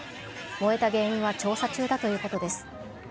燃えた原因は調査中だということです。